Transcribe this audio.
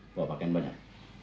bawa pakaian banyak